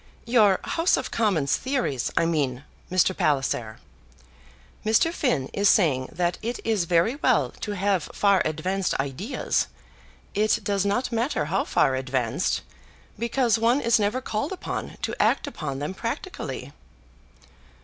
"Your House of Commons theories, I mean, Mr. Palliser. Mr. Finn is saying that it is very well to have far advanced ideas, it does not matter how far advanced, because one is never called upon to act upon them practically."